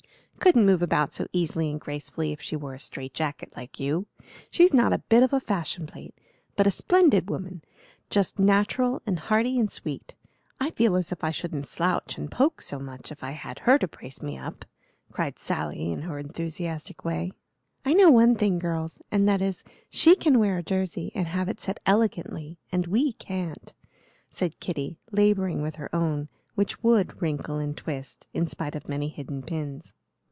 "Couldn't move about so easily and gracefully if she wore a strait jacket like you. She's not a bit of a fashion plate, but a splendid woman, just natural and hearty and sweet. I feel as if I shouldn't slouch and poke so much if I had her to brace me up," cried Sally, in her enthusiastic way. "I know one thing, girls, and that is, she can wear a jersey and have it set elegantly, and we can't," said Kitty, laboring with her own, which would wrinkle and twist, in spite of many hidden pins.